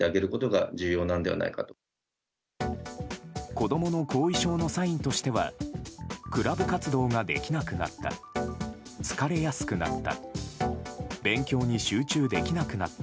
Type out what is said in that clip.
子供の後遺症のサインとしてはクラブ活動ができなくなった。